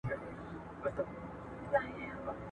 الله تعالی ميرمن ته دغه تنبيه ټاکلې ده.